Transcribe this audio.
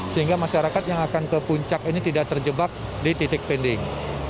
sehingga masyarakat yang akan ke puncak ini tidak terjebak di titik pending